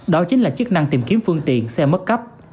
đó chính là chức năng tìm kiếm phương tiện xe mất cấp